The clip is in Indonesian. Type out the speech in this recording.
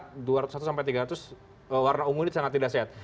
karena dua ratus satu sampai tiga ratus warna ungu ini sangat tidak sehat